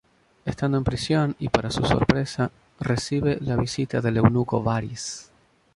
Estando en prisión, y para su sorpresa, recibe la visita del eunuco Varys.